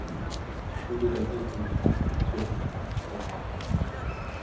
Die Flügeldecken sind fein punktiert und schwarz behaart.